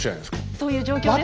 そういう状況ですね？